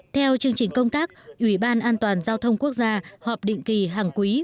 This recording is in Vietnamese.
theo chương trình công tác ủy ban an toàn giao thông quốc gia họp định kỳ hàng quý